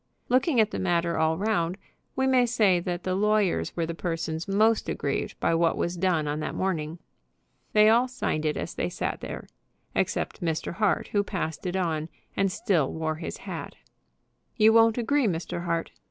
Looking at the matter all round, we may say that the lawyers were the persons most aggrieved by what was done on that morning. They all signed it as they sat there, except Mr. Hart, who passed it on, and still wore his hat. "You won't agree, Mr. Hart?"